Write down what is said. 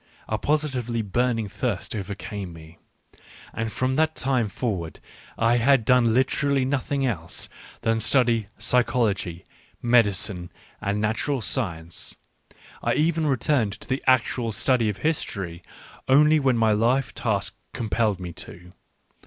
A positively burning thirst overcame me : and from that time forward I have done literally nothing else than study physiology, medicine, andnaturalscience — I even returned to the actual study of history only when my life task compelled me to.